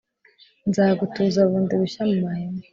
Nzagutuza bundi bushya mu mahema